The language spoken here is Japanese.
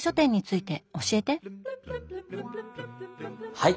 はい。